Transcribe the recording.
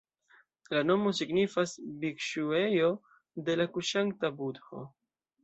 La nomo signifas "Bikŝuejo de la kuŝanta budho".